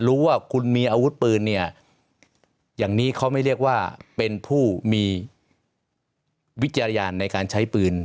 รู้ว่าคุณมีอาวุธปืนเนี่ยอย่างนี้เขาไม่เรียกว่าเป็นผู้มีวิจารณญาณในการใช้ปืน